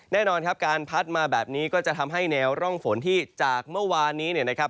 แน่นอนครับการพัดมาแบบนี้ก็จะทำให้แนวร่องฝนที่จากเมื่อวานนี้เนี่ยนะครับ